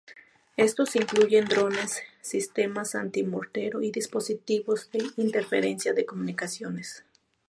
Estos incluyen drones, sistemas anti-mortero y dispositivos de interferencia de comunicaciones.